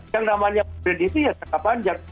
yang namanya brand itu jangka panjang